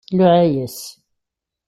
Tluɛa-yas.